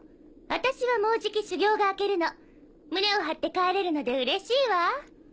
私はもうじき修行が明けるの胸を張って帰れるのでうれしいわ。